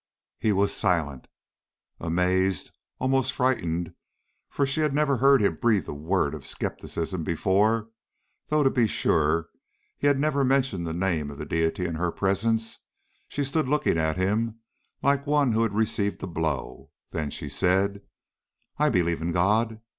He was silent. Amazed, almost frightened, for she had never heard him breathe a word of scepticism before, though, to be sure, he had never mentioned the name of the Deity in her presence, she stood looking at him like one who had received a blow; then she said: "I believe in God.